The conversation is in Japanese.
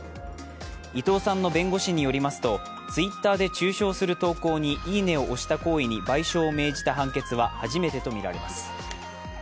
伊藤さんの弁護士によりますとＴｗｉｔｔｅｒで中傷する投稿にいいねを押した行為に賠償を命じた判決は初めてとみられます。